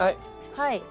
はい。